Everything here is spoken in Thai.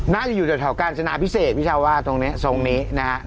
น่าจะอยู่แถวกาญจนาพิเศษพี่ชาวาตรงนี้ทรงนี้นะฮะ